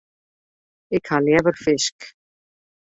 Ik ha leaver fisk.